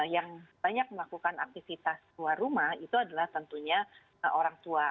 yang banyak melakukan aktivitas luar rumah itu adalah tentunya orang tua